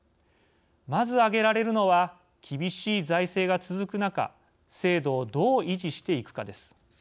まず、挙げられるのは厳しい財政が続く中制度をどう維持していくかです。